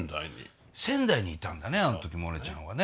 仙台にいたんだねあの時モネちゃんはね。